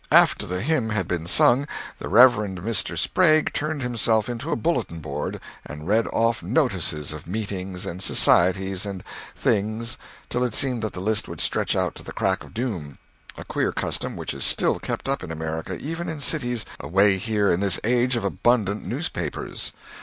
After the hymn had been sung, the Rev. Mr. Sprague turned himself into a bulletin board, and read off "notices" of meetings and societies and things till it seemed that the list would stretch out to the crack of doom—a queer custom which is still kept up in America, even in cities, away here in this age of abundant newspapers.